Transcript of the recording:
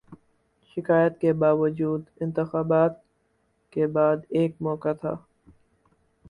شکایات کے باوجود، انتخابات کے بعد ایک موقع تھا۔